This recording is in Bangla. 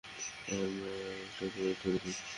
আমরা একটা চোর ধরেছি।